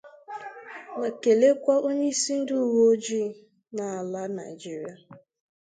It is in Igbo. ma kelekwa onyeisi ndị oweojii n'ala Nigeria